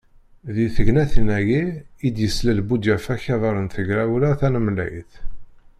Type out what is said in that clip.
Deg tegnatin-agi i d-yeslal Budyaf Akabar n Tegrawla Tanemlayt.